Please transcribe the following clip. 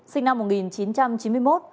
sinh năm một nghìn chín trăm chín mươi một